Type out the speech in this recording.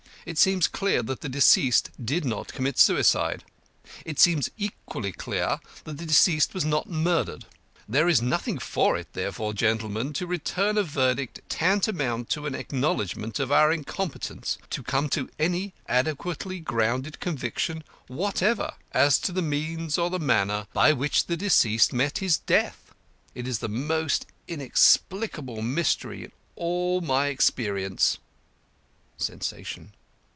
It seems clear that the deceased did not commit suicide. It seems equally clear that the deceased was not murdered. There is nothing for it, therefore, gentlemen, but to return a verdict tantamount to an acknowledgment of our incompetence to come to any adequately grounded conviction whatever as to the means or the manner by which the deceased met his death. It is the most inexplicable mystery in all my experience." (Sensation.)